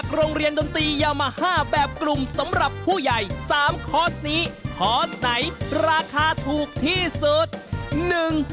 เดี๋ยวเผลอแล้วแล้วเบอร์